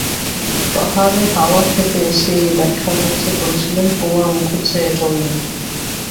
পাহাড়ে হাওয়া খেতে এসে এই ব্যাখ্যার মধ্যে পড়েছিল কুমার মুখুজ্জে–অ্যাটর্নি।